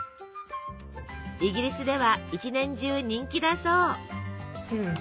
イギリスでは一年中人気だそう。